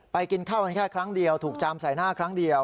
กินข้าวกันแค่ครั้งเดียวถูกจามใส่หน้าครั้งเดียว